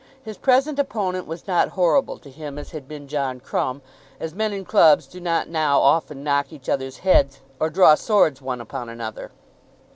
His present opponent was not horrible to him as had been John Crumb, as men in clubs do not now often knock each others' heads or draw swords one upon another.